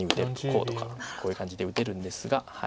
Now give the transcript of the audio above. こうとかこういう感じで打てるんですが。